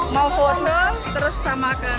mau foto terus sama kan